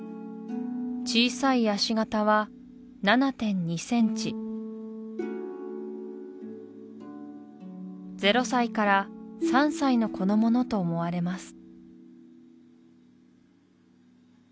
小さい足形は７．２ｃｍ０歳から３歳の子のものと思われます